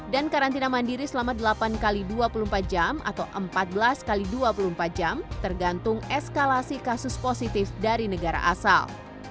dan karantina mandiri selama delapan x dua puluh empat jam atau empat belas x dua puluh empat jam tergantung eskalasi kasus positif dari negara asal